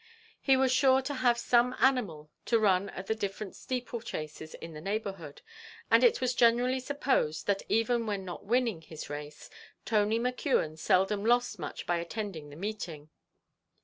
He was sure to have some animal to run at the different steeple chases in the neighbourhood, and it was generally supposed, that even when not winning his race, Tony McKeon seldom lost much by attending the meeting.